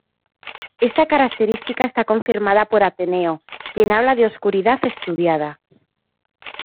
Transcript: Esta característica está confirmada por Ateneo, quien habla de oscuridad estudiada.